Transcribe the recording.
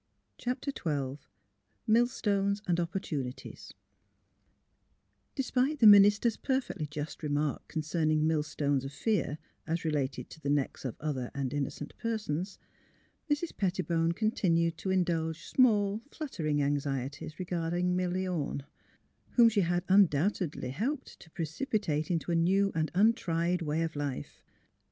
CHAPTER XII MILLSTONES AND OPPORTUNITIES Despite the minister's perfectly just remark con cerning millstones of fear as related to the necks of other and innocent persons, Mrs. Pettibone con tinued to indulge small, fluttering anxieties re garding Milly Orne, whom she had undoubtedly helped to precipitate into a new and untried way of life.